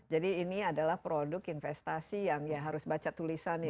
jadi ini adalah produk investasi yang ya harus baca tulisan ini